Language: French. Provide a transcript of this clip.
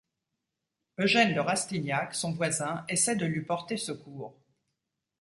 Eugène de Rastignac, son voisin, essaie de lui porter secours.